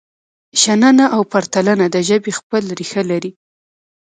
شننه او پرتلنه د ژبې خپل ریښه لري.